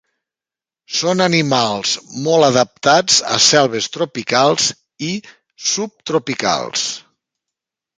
Són animals molt adaptats a selves tropicals i subtropicals.